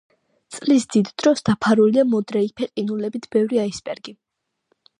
წლის დიდ დროს დაფარულია მოდრეიფე ყინულებით, ბევრია აისბერგი.